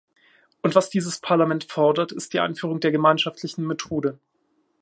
Und was dieses Parlament fordert, ist die Einführung der gemeinschaftlichen Methode.